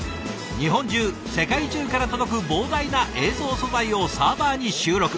日本中世界中から届く膨大な映像素材をサーバーに収録。